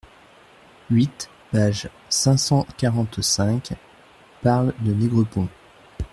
huit, page cinq cent quarante-cinq) parlent de Négrepont.